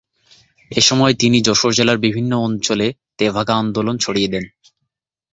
এ সময়ে তিনি যশোর জেলার বিভিন্ন অঞ্চলে তেভাগা আন্দোলন ছড়িয়ে দেন।